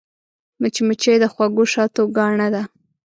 مچمچۍ د خوږ شاتو ګاڼه ده